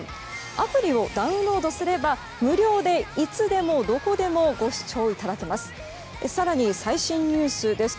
アプリをダウンロードすれば無料で、いつでもどこでもご視聴いただけます。